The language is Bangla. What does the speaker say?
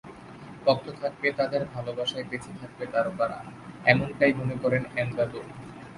ভক্ত থাকবে, তাদের ভালোবাসায় বেঁচে থাকবে তারকারা, এমনটাই মনে করেন এমদাদুল।